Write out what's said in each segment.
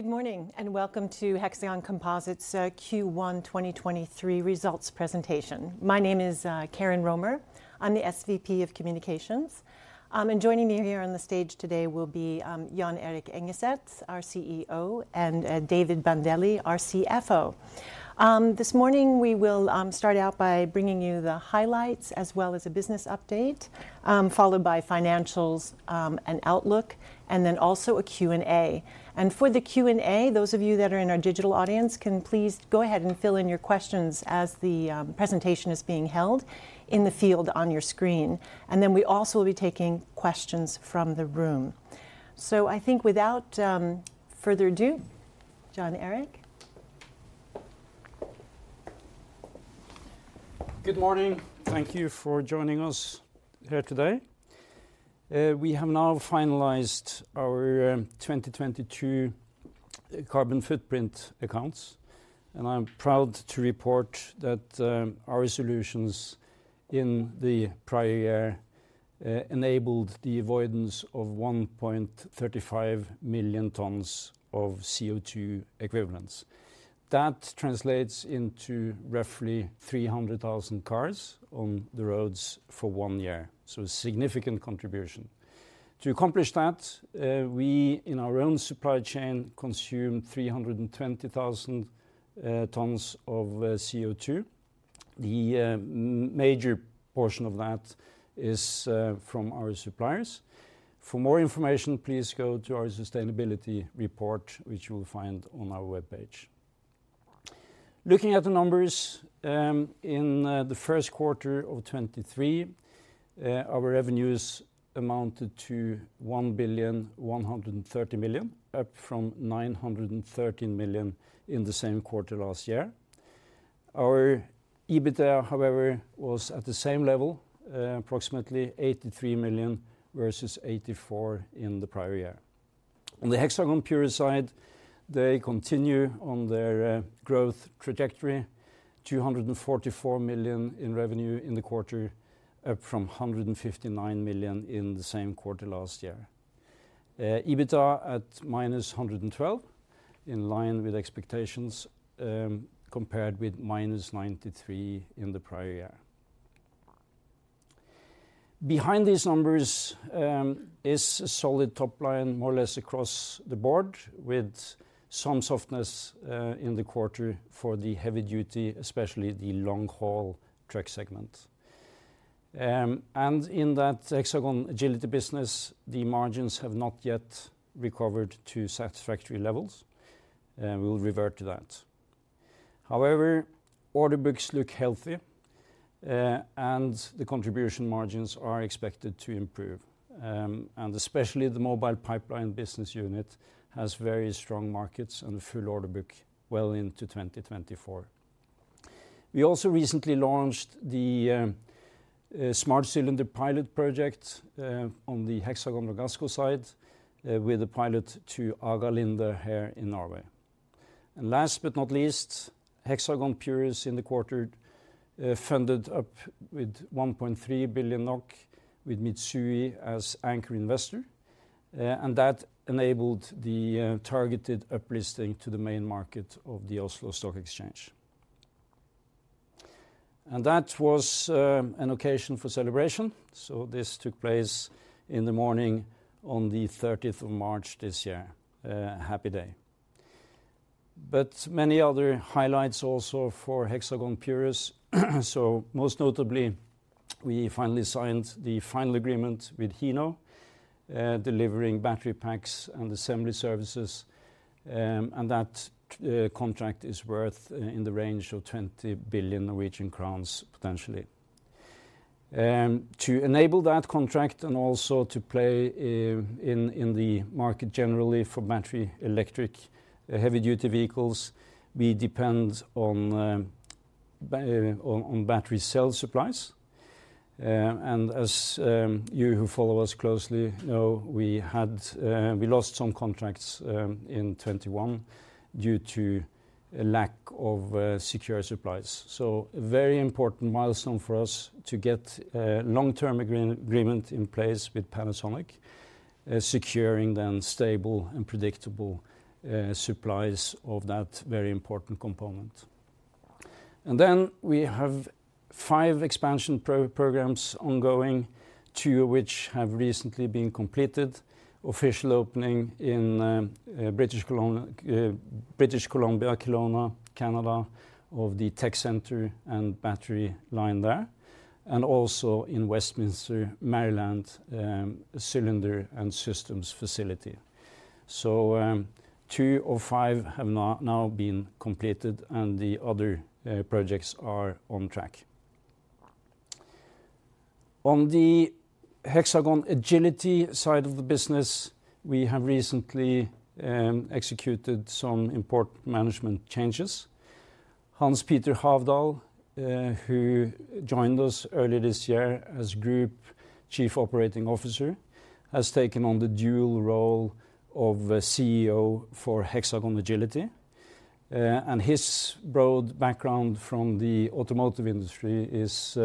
Good morning, welcome to Hexagon Composites, Q1 2023 results presentation. My name is Karen Romer. I'm the SVP of Communications. Joining me here on the stage today will be Jon Erik Engeset, our CEO, and David Bandele, our CFO. This morning we will start out by bringing you the highlights as well as a business update, followed by financials, and outlook, and then also a Q and A. For the Q and A, those of you that are in our digital audience can please go ahead and fill in your questions as the presentation is being held in the field on your screen. We also will be taking questions from the room. I think without further ado, Jon Erik? Good morning. Thank you for joining us here today. We have now finalized our 2022 carbon footprint accounts, and I'm proud to report that our solutions in the prior year enabled the avoidance of 1.35 million tons of CO2 equivalents. That translates into roughly 300,000 cars on the roads for one year, so a significant contribution. To accomplish that, we, in our own supply chain, consumed 320,000 tons of CO2. The major portion of that is from our suppliers. For more information, please go to our sustainability report, which you will find on our webpage. Looking at the numbers, in the first quarter of 2023, our revenues amounted to 1.13 billion, up from 913 million in the same quarter last year. Our EBITDA, however, was at the same level, approximately 83 million versus 84 million in the prior year. On the Hexagon Purus side, they continue on their growth trajectory, 244 million in revenue in the quarter, up from 159 million in the same quarter last year. EBITDA at -112 million, in line with expectations, compared with -93 million in the prior year. Behind these numbers, is a solid top line more or less across the board, with some softness, in the quarter for the heavy duty, especially the long haul truck segment. In that Hexagon Agility business, the margins have not yet recovered to satisfactory levels, and we'll revert to that. However, order books look healthy, and the contribution margins are expected to improve. Especially the Mobile Pipeline business unit has very strong markets and a full order book well into 2024. We also recently launched the Smart Cylinder pilot project on the Hexagon Ragasco side with a pilot to Linde here in Norway. Last but not least, Hexagon Purus in the quarter funded up with 1.3 billion NOK with Mitsui as anchor investor. That enabled the targeted uplisting to the main market of the Oslo Stock Exchange. That was an occasion for celebration, so this took place in the morning on the 13th of March this year. Happy day. Many other highlights also for Hexagon Purus. Most notably, we finally signed the final agreement with Hino, delivering battery packs and assembly services, and that contract is worth in the range of 20 billion Norwegian crowns potentially. To enable that contract and also to play in the market generally for battery electric heavy duty vehicles, we depend on battery cell supplies. As you who follow us closely know, we had we lost some contracts in 2021 due to a lack of secure supplies. A very important milestone for us to get a long-term agreement in place with Panasonic, securing then stable and predictable supplies of that very important component. We have five expansion pro-programs ongoing, two which have recently been completed, official opening in British Columbia, Kelowna, Canada, of the tech center and battery line there, and also in Westminster, Maryland, cylinder and systems facility. Two of five have now been completed, and the other projects are on track. On the Hexagon Agility side of the business, we have recently executed some import management changes. Hans Peter Havdal, who joined us earlier this year as Group Chief Operating Officer, has taken on the dual role of CEO for Hexagon Agility. His broad background from the automotive industry is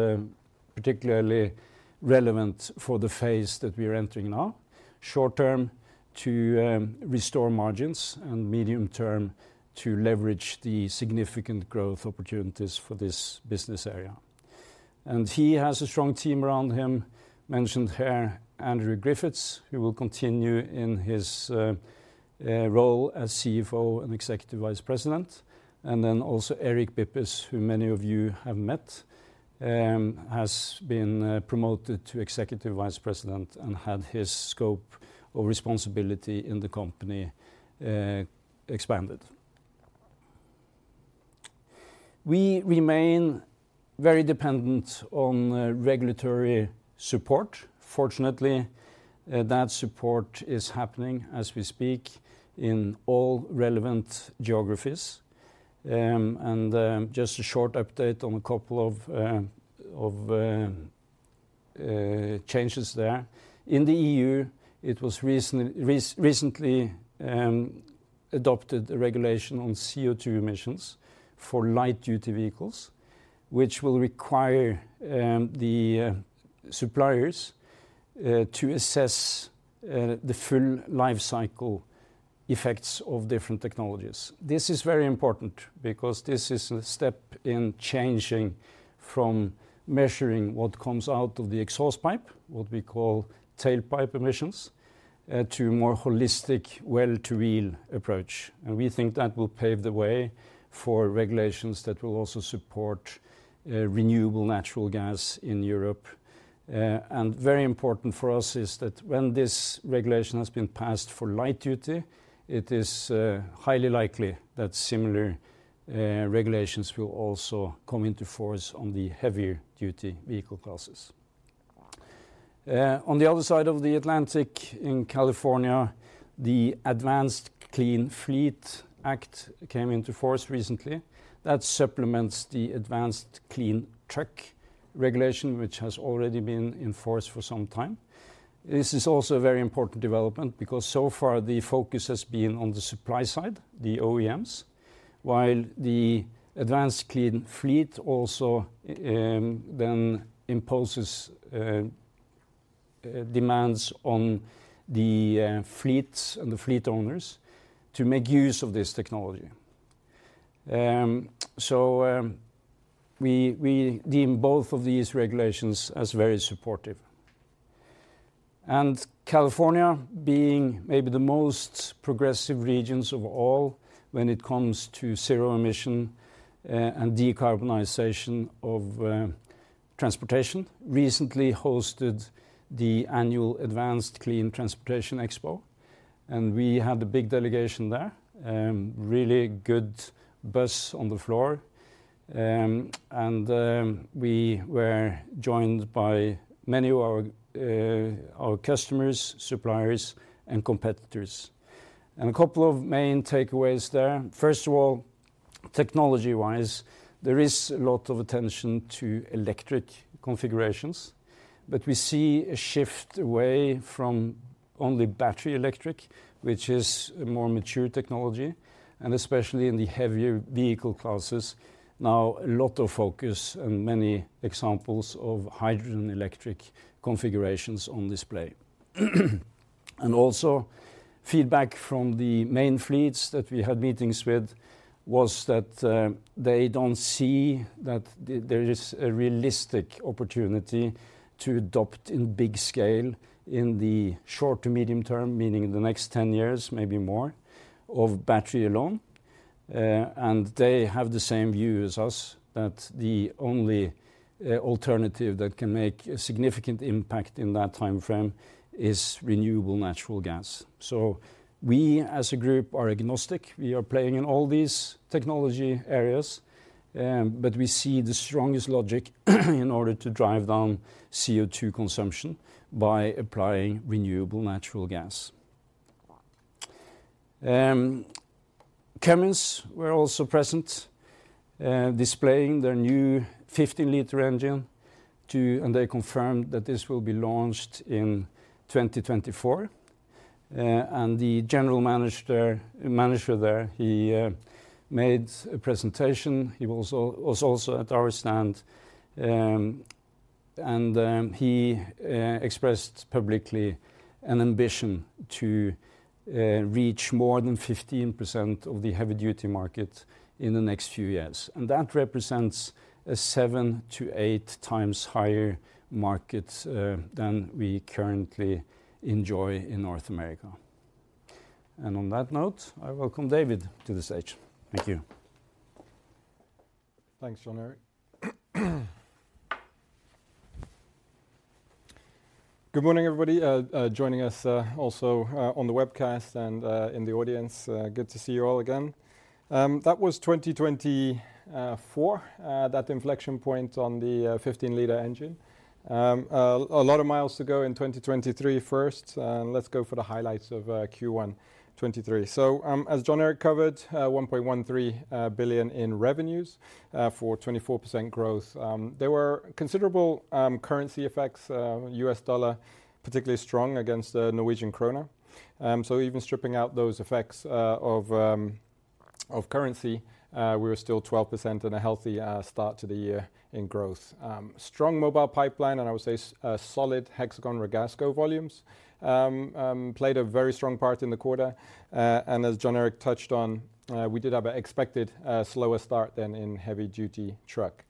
particularly relevant for the phase that we're entering now. Short-term to restore margins, and medium-term to leverage the significant growth opportunities for this business area. He has a strong team around him, mentioned here Andrew Griffiths, who will continue in his role as CFO and Executive Vice President. Then also Eric Bippus, who many of you have met, has been promoted to Executive Vice President and had his scope of responsibility in the company expanded. We remain very dependent on regulatory support. Fortunately, that support is happening as we speak in all relevant geographies. Just a short update on a couple of changes there. In the EU, it was recently adopted a regulation on CO2 emissions for light-duty vehicles, which will require the suppliers to assess the full life cycle effects of different technologies. This is very important because this is a step in changing from measuring what comes out of the exhaust pipe, what we call tailpipe emissions, to more holistic well-to-wheel approach. We think that will pave the way for regulations that will also support renewable natural gas in Europe. Very important for us is that when this regulation has been passed for light duty, it is highly likely that similar regulations will also come into force on the heavier-duty vehicle classes. On the other side of the Atlantic in California, the Advanced Clean Fleet Act came into force recently. That supplements the Advanced Clean Trucks regulation, which has already been in force for some time. This is also a very important development because so far the focus has been on the supply side, the OEMs, while the Advanced Clean Fleets also then imposes demands on the fleets and the fleet owners to make use of this technology. So we deem both of these regulations as very supportive. California being maybe the most progressive regions of all when it comes to zero-emission and decarbonization of transportation recently hosted the annual Advanced Clean Transportation Expo, and we had a big delegation there. Really good buzz on the floor. We were joined by many of our customers, suppliers, and competitors. A couple of main takeaways there. First of all, technology-wise, there is a lot of attention to electric configurations, but we see a shift away from only battery electric, which is a more mature technology, and especially in the heavier vehicle classes. Now a lot of focus and many examples of hydrogen electric configurations on display. Also feedback from the main fleets that we had meetings with was that they don't see that there is a realistic opportunity to adopt in big scale in the short to medium term, meaning in the next 10 years, maybe more, of battery alone. They have the same view as us, that the only alternative that can make a significant impact in that timeframe is renewable natural gas. We as a group are agnostic. We are playing in all these technology areas, but we see the strongest logic in order to drive down CO2 consumption by applying renewable natural gas. Cummins were also present, displaying their new 15-liter engine and they confirmed that this will be launched in 2024. The general manager there, he made a presentation. He was also at our stand, and he expressed publicly an ambition to reach more than 15% of the heavy-duty market in the next few years. That represents a seven to 8x higher market than we currently enjoy in North America. On that note, I welcome David to the stage. Thank you. Thanks, Jon Erik. Good morning, everybody, joining us also on the webcast and in the audience. Good to see you all again. That was 2024, that inflection point on the 15-liter engine. A lot of miles to go in 2023 first, and let's go for the highlights of Q1 2023. As Jon Erik covered, 1.13 billion in revenues for 24% growth. There were considerable currency effects, U.S. dollar particularly strong against the Norwegian krone. Even stripping out those effects of currency, we were still 12% and a healthy start to the year in growth. Strong Mobile Pipeline, and I would say a solid Hexagon Ragasco volumes played a very strong part in the quarter. As Jon Erik touched on, we did have a expected slower start than in Heavy Duty truck.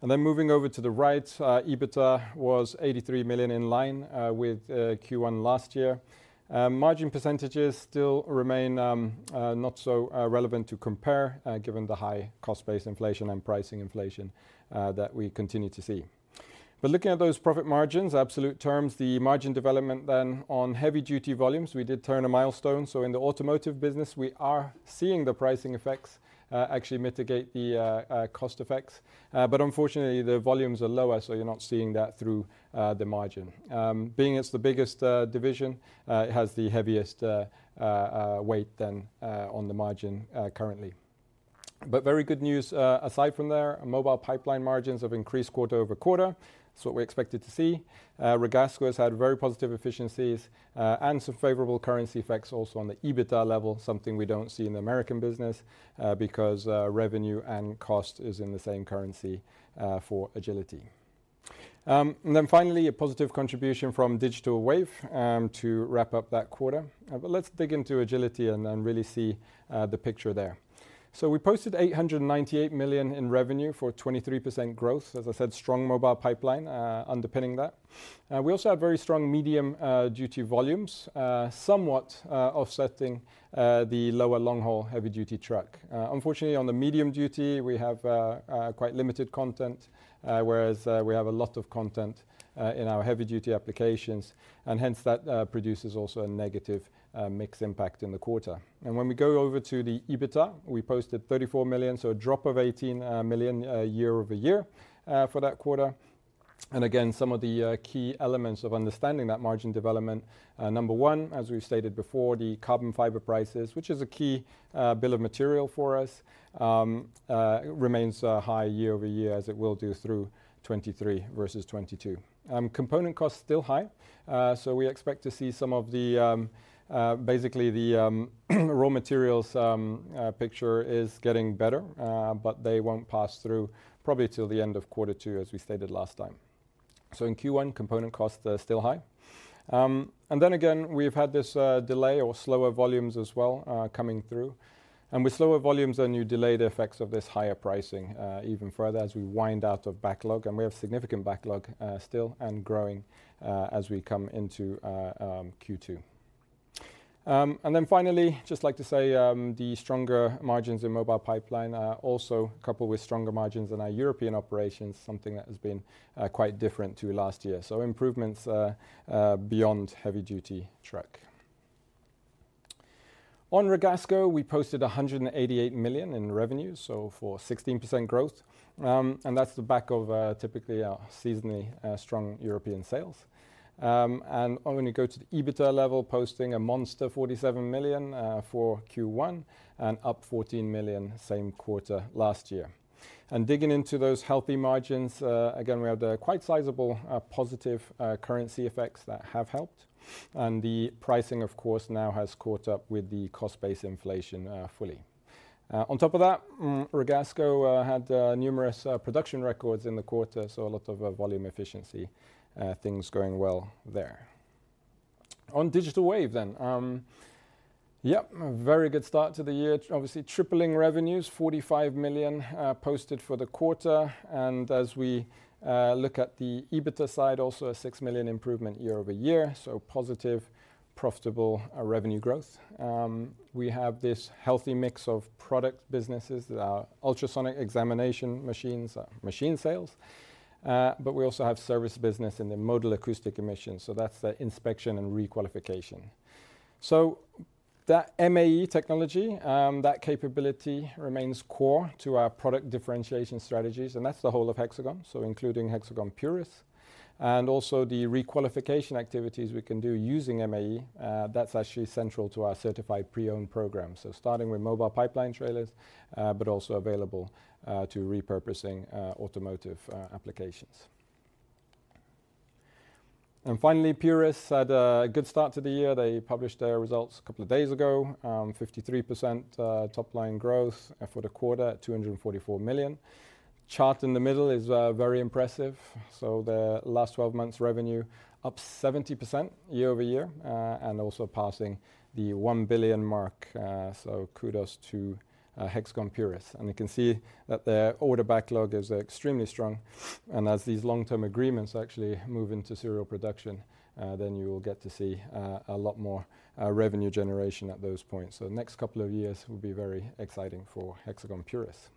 Moving over to the right, EBITDA was 83 million in line with Q1 last year. Margin percentages still remain not so relevant to compare given the high cost base inflation and pricing inflation that we continue to see. Looking at those profit margins, absolute terms, the margin development then on heavy duty volumes, we did turn a milestone. In the automotive business, we are seeing the pricing effects actually mitigate the cost effects. Unfortunately, the volumes are lower, so you're not seeing that through the margin. Being it's the biggest division, it has the heaviest weight then on the margin currently. Very good news, aside from there, Mobile Pipeline margins have increased quarter-over-quarter. That's what we expected to see. Ragasco has had very positive efficiencies and some favorable currency effects also on the EBITDA level, something we don't see in the American business, because revenue and cost is in the same currency for Agility. Finally, a positive contribution from Digital Wave to wrap up that quarter. Let's dig into Agility and really see the picture there. We posted 898 million in revenue for 23% growth. As I said, strong Mobile Pipeline underpinning that. We also had very strong medium duty volumes, somewhat offsetting the lower long-haul heavy duty truck. Unfortunately, on the medium duty, we have quite limited content, whereas we have a lot of content in our heavy duty applications. Hence, that produces also a negative mix impact in the quarter. When we go over to the EBITDA, we posted 34 million, so a drop of 18 million year-over-year for that quarter. Again, some of the key elements of understanding that margin development, number one, as we've stated before, the carbon fiber prices, which is a key bill of material for us, remains high year-over-year as it will do through 2023 versus 2022. Component costs still high. We expect to see some of the, basically the, raw materials picture is getting better, but they won't pass through probably till the end of quarter two, as we stated last time. In Q1, component costs are still high. Then again, we've had this delay or slower volumes as well coming through. With slower volumes, then you delay the effects of this higher pricing even further as we wind out of backlog. We have significant backlog, still and growing, as we come into Q2. Then finally, just like to say, the stronger margins in Mobile Pipeline are also coupled with stronger margins in our European operations, something that has been quite different to last year. Improvements beyond heavy duty truck. On Ragasco, we posted 188 million in revenue, so for 16% growth. That's the back of typically our seasonally strong European sales. When you go to the EBITDA level, posting a monster 47 million for Q1 and up 14 million same quarter last year. Digging into those healthy margins, again, we have the quite sizable positive currency effects that have helped. The pricing, of course, now has caught up with the cost base inflation fully. On top of that, Ragasco had numerous production records in the quarter, so a lot of volume efficiency things going well there. On Digital Wave then, very good start to the year. Obviously tripling revenues, 45 million posted for the quarter. As we look at the EBITDA side, also a 6 million improvement year-over-year. Positive, profitable revenue growth. We have this healthy mix of product businesses, Ultrasonic Examination machines, machine sales. We also have service business in the Modal Acoustic Emission, so that's the inspection and re-qualification. The MAE technology, that capability remains core to our product differentiation strategies, and that's the whole of Hexagon, including Hexagon Purus. Also the re-qualification activities we can do using MAE, that's actually central to our certified pre-owned program. Starting with Mobile Pipeline trailers, but also available to repurposing automotive applications. Finally, Purus had a good start to the year. They published their results a couple of days ago. 53% top-line growth for the quarter at 244 million. Chart in the middle is very impressive. The last 12 months revenue up 70% year-over-year and also passing the 1 billion mark. Kudos to Hexagon Purus. You can see that their order backlog is extremely strong. As these long-term agreements actually move into serial production, then you will get to see a lot more revenue generation at those points. The next couple of years will be very exciting for Hexagon Purus.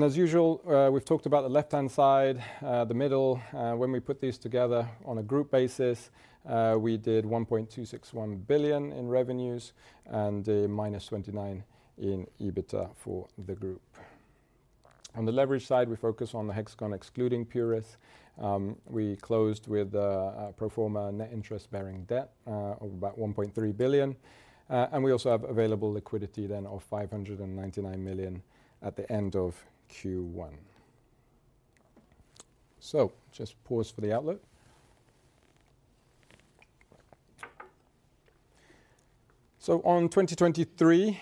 As usual, we've talked about the left-hand side, the middle. When we put these together on a group basis, we did 1.261 billion in revenues and a -29 in EBITDA for the group. On the leverage side, we focus on the Hexagon excluding Hexagon Purus. We closed with a pro forma net interest-bearing debt of about 1.3 billion. We also have available liquidity then of 599 million at the end of Q1. Just pause for the outlook. On 2023,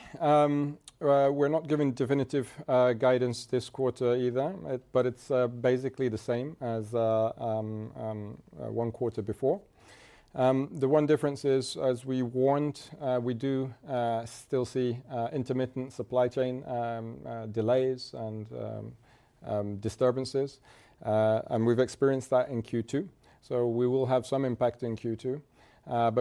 we're not giving definitive guidance this quarter either. It's basically the same as one quarter before. The one difference is, as we warned, we do still see intermittent supply chain delays and disturbances. We've experienced that in Q2, so we will have some impact in Q2.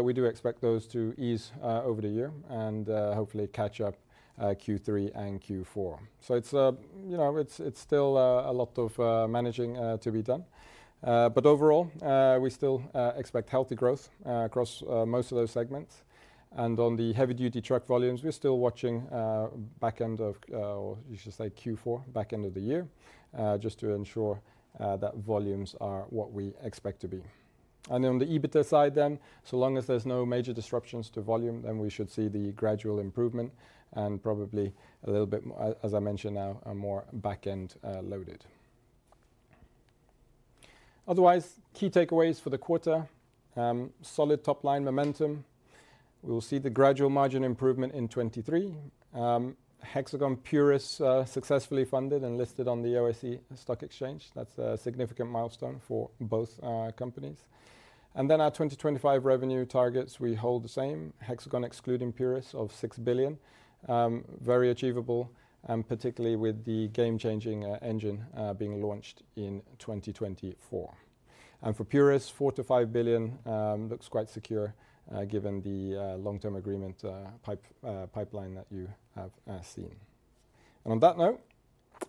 We do expect those to ease over the year and hopefully catch up Q3 and Q4. It's, you know, it's still a lot of managing to be done. Overall, we still expect healthy growth across most of those segments. On the heavy-duty truck volumes, we're still watching back end of, or you should say Q4, back end of the year, just to ensure that volumes are what we expect to be. On the EBITA side, so long as there's no major disruptions to volume, then we should see the gradual improvement and probably a little bit as I mentioned now, a more back end loaded. Otherwise, key takeaways for the quarter, solid top line momentum. We will see the gradual margin improvement in 2023. Hexagon Purus successfully funded and listed on the Oslo Stock Exchange. That's a significant milestone for both our companies. Our 2025 revenue targets, we hold the same. Hexagon excluding Purus of 6 billion, very achievable, and particularly with the game-changing engine being launched in 2024. For Purus, 4 billion-5 billion, looks quite secure, given the long-term agreement pipeline that you have seen. On that note,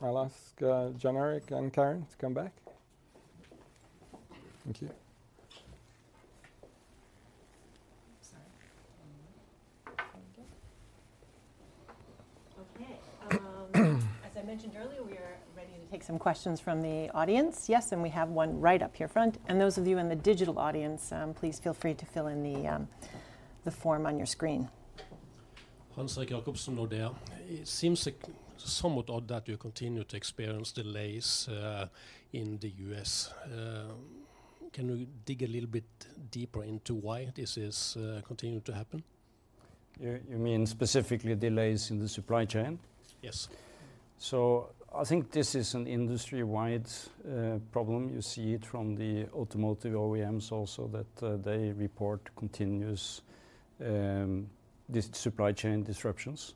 I'll ask Jon Erik and Karen to come back. Thank you. Sorry. Thank you. Okay. As I mentioned earlier, we are ready to take some questions from the audience. Yes, and we have one right up here front. Those of you in the digital audience, please feel free to fill in the form on your screen. Hans-Erik Jacobsen of Nordea. It seems like somewhat odd that you continue to experience delays, in the U.S. Can you dig a little bit deeper into why this is continuing to happen? You mean specifically delays in the supply chain? Yes. I think this is an industry-wide problem. You see it from the automotive OEMs also that they report continuous supply chain disruptions.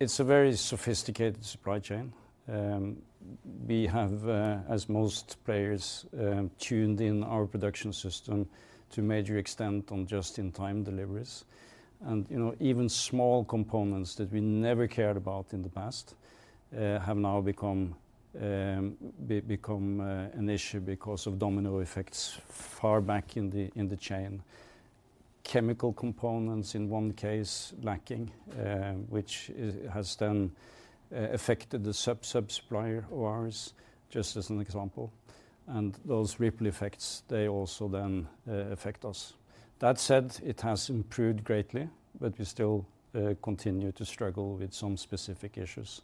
It's a very sophisticated supply chain. We have, as most players, tuned in our production system to a major extent on just-in-time deliveries. You know, even small components that we never cared about in the past have now become an issue because of domino effects far back in the chain. Chemical components in one case lacking, which has then affected the sub-sub-supplier of ours, just as an example. Those ripple effects, they also then affect us. That said, it has improved greatly, but we still continue to struggle with some specific issues.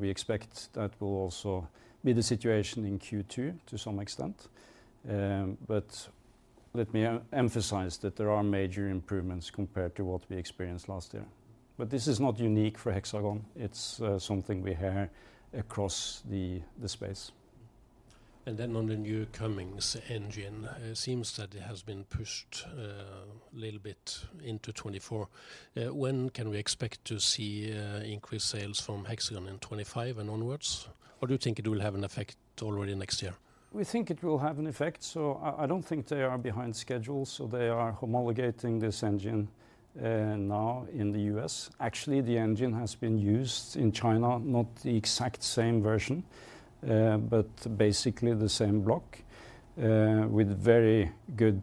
We expect that will also be the situation in Q2 to some extent. Let me emphasize that there are major improvements compared to what we experienced last year. This is not unique for Hexagon. It's something we hear across the space. Then on the new Cummins engine, it seems that it has been pushed a little bit into 2024. When can we expect to see increased sales from Hexagon in 2025 and onwards? Do you think it will have an effect already next year? We think it will have an effect. I don't think they are behind schedule, so they are homologating this engine now in the U.S. Actually, the engine has been used in China, not the exact same version, but basically the same block, with very good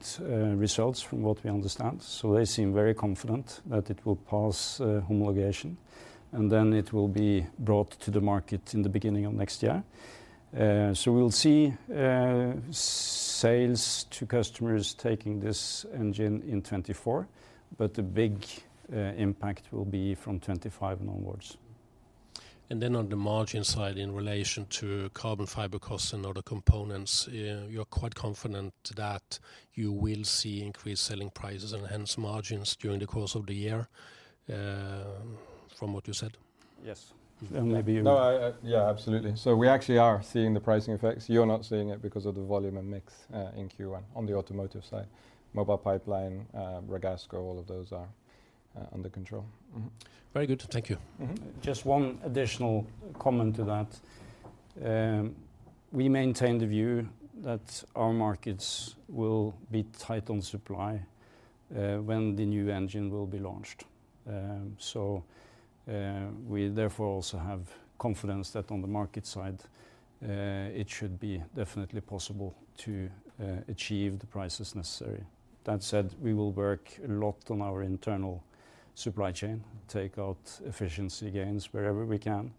results from what we understand. They seem very confident that it will pass homologation, and then it will be brought to the market in the beginning of next year. We'll see sales to customers taking this engine in 2024, but the big impact will be from 2025 onwards. On the margin side, in relation to carbon fiber costs and other components, you're quite confident that you will see increased selling prices and hence margins during the course of the year, from what you said? Yes. No, yeah, absolutely. We actually are seeing the pricing effects. You're not seeing it because of the volume and mix in Q1 on the automotive side. Mobile Pipeline, Ragasco, all of those are under control. Mm-hmm. Very good. Thank you. Just one additional comment to that. We maintain the view that our markets will be tight on supply when the new engine will be launched. We therefore also have confidence that on the market side, it should be definitely possible to achieve the prices necessary. That said, we will work a lot on our internal supply chain, take out efficiency gains wherever we can,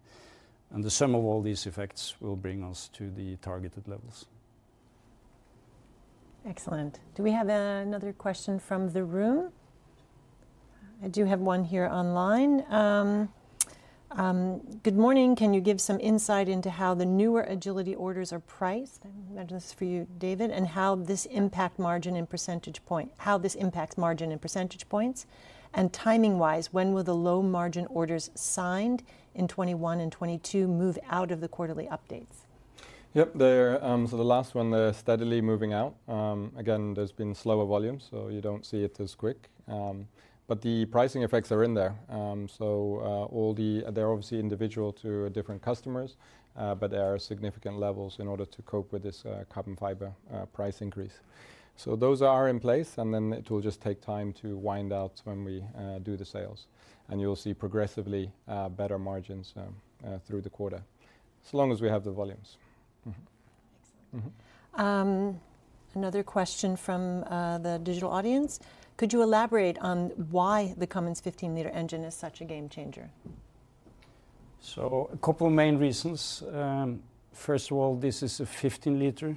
and the sum of all these effects will bring us to the targeted levels. Excellent. Do we have another question from the room? I do have one here online. Good morning. Can you give some insight into how the newer Agility orders are priced? That is for you, David. How this impacts margin in percentage points? Timing-wise, when will the low margin orders signed in 2021 and 2022 move out of the quarterly updates? Yep. They're the last one, they're steadily moving out. Again, there's been slower volume, so you don't see it as quick. The pricing effects are in there. They're obviously individual to different customers, but there are significant levels in order to cope with this carbon fiber price increase. Those are in place, it will just take time to wind out when we do the sales, and you'll see progressively better margins through the quarter, so long as we have the volumes. Mm-hmm. Excellent. Mm-hmm. Another question from the digital audience. Could you elaborate on why the Cummins 15-liter engine is such a game changer? A couple main reasons. First of all, this is a 15-liter,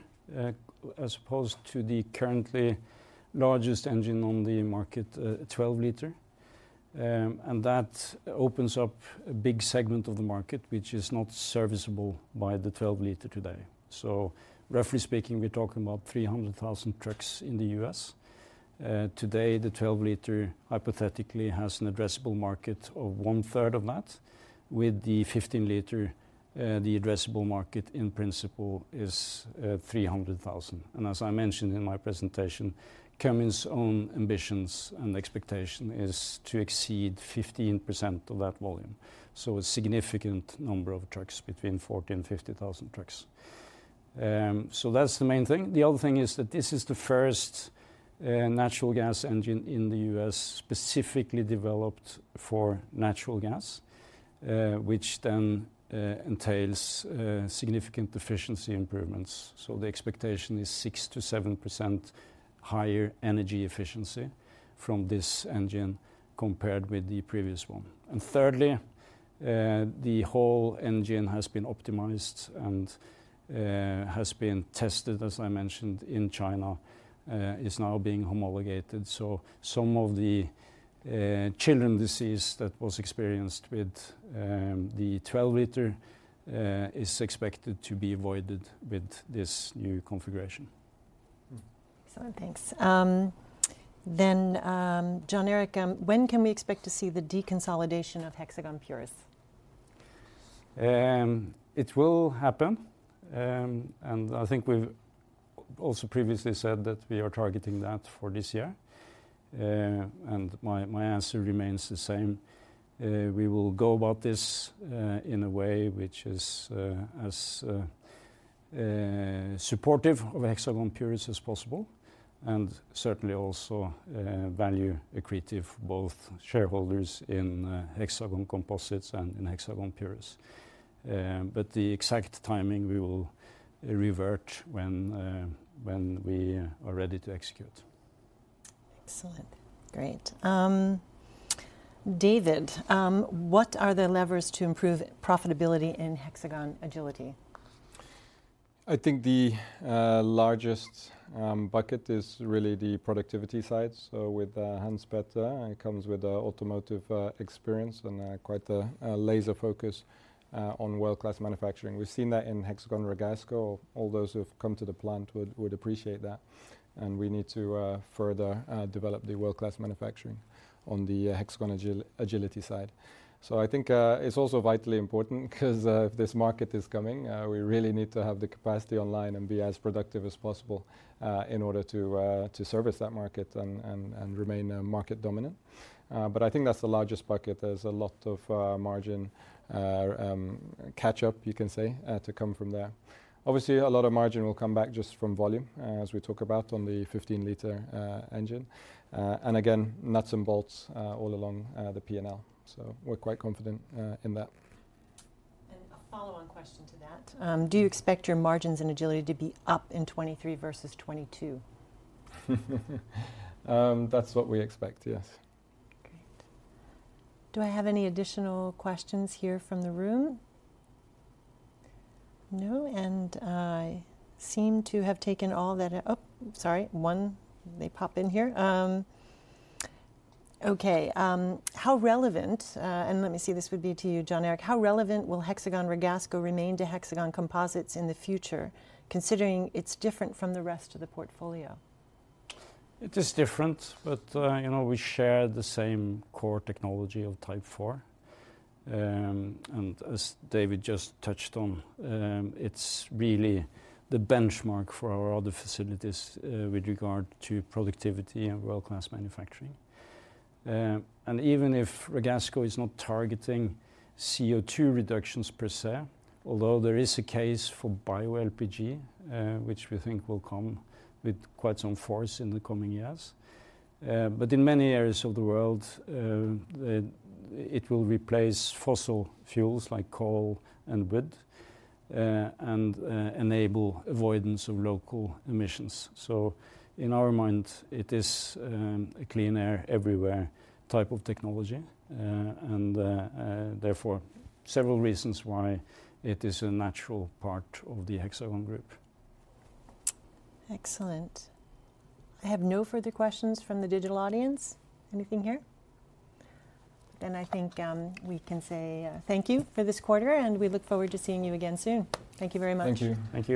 as opposed to the currently largest engine on the market, 12-liter. That opens up a big segment of the market, which is not serviceable by the 12-liter today. Roughly speaking, we're talking about 300,000 trucks in the U.S.. Today the 12-liter hypothetically has an addressable market of one third of that. With the 15-liter, the addressable market in principle is 300,000. As I mentioned in my presentation, Cummins' own ambitions and expectation is to exceed 15% of that volume. A significant number of trucks, between 40,000 and 50,000 trucks. That's the main thing. The other thing is that this is the first U.S. natural gas engine specifically developed for natural gas, which entails significant efficiency improvements. The expectation is 6%-7% higher energy efficiency from this engine compared with the previous one. Thirdly, the whole engine has been optimized and has been tested, as I mentioned, in China. It's now being homologated. Some of the childhood disease that was experienced with the 12-liter is expected to be avoided with this new configuration. Excellent, thanks. Jon Erik, when can we expect to see the deconsolidation of Hexagon Purus? It will happen. I think we've also previously said that we are targeting that for this year. My answer remains the same. We will go about this in a way which is as supportive of Hexagon Purus as possible, and certainly also value accretive both shareholders in Hexagon Composites and in Hexagon Purus. The exact timing, we will revert when we are ready to execute. Excellent. Great. David, what are the levers to improve profitability in Hexagon Agility? I think the largest bucket is really the productivity side. With Hans Peter, he comes with automotive experience and quite a laser focus on world-class manufacturing. We've seen that in Hexagon Ragasco. All those who have come to the plant would appreciate that. We need to further develop the world-class manufacturing on the Hexagon Agility side. I think it's also vitally important because if this market is coming, we really need to have the capacity online and be as productive as possible in order to service that market and remain market dominant. I think that's the largest bucket. There's a lot of margin catch up, you can say, to come from there. Obviously, a lot of margin will come back just from volume, as we talk about on the 15-liter engine. Again, nuts and bolts, all along, the P&L. We're quite confident, in that. A follow-on question to that. Do you expect your margins in Hexagon Agility to be up in 2023 versus 2022? That's what we expect, yes. Great. Do I have any additional questions here from the room? No, I seem to have taken all that... Oh, sorry, one. They pop in here. Okay. How relevant... let me see, this would be to you, Jon Erik. How relevant will Hexagon Ragasco remain to Hexagon Composites in the future, considering it's different from the rest of the portfolio? It is different, but, you know, we share the same core technology of Type 4. As David just touched on, it's really the benchmark for our other facilities with regard to productivity and world-class manufacturing. Even if Ragasco is not targeting CO2 reductions per se, although there is a case for bioLPG, which we think will come with quite some force in the coming years. In many areas of the world, it will replace fossil fuels like coal and wood and enable avoidance of local emissions. In our mind, it is a clean air everywhere type of technology. Therefore, several reasons why it is a natural part of the Hexagon Group. Excellent. I have no further questions from the digital audience. Anything here? I think, we can say, thank you for this quarter, and we look forward to seeing you again soon. Thank you very much. Thank you. Thank you.